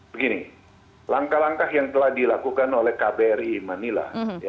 begini langkah langkah yang telah dilakukan oleh kbri manila